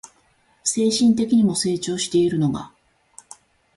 精神的にも成長しているのが